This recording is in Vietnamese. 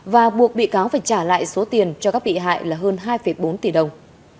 và buộc bị cáo phải trả lại số tiền cho các bị hại là hơn hai bốn tỷ đồng